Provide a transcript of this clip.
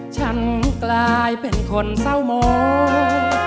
ฉันกลายเป็นคนเศร้ามอง